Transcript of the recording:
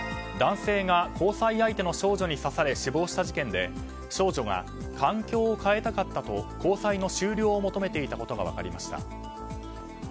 男性が交際相手の少女に刺され死亡した事件で少女が、環境を変えたかったと交際の終了を求めていたことが分かりました。